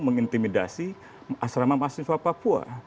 mengintimidasi asrama mahasiswa papua